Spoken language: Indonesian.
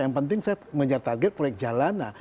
yang penting saya mengejar target proyek jalanan